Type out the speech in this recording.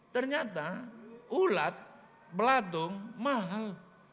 ternyata ulat belatung mahal